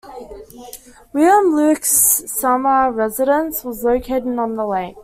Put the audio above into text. William Luke's summer residence was located on the lake.